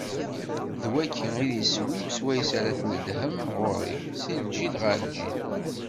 D wagi i d isem-iw swayes ara d-tneddhem ɣur-i, si lǧil ɣer lǧil.